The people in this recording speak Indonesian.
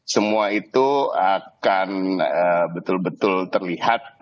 semua itu akan betul betul terlihat